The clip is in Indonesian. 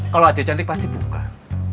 kalau aja cantik pasti bukan